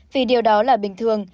vì điều đó là bình thường